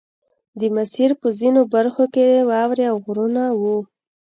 د مسیر په ځینو برخو کې واورې او غرونه وو